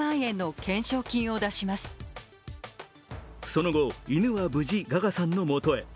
その後、犬は無事、ガガさんの元へ。